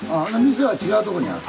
店は違うとこにある？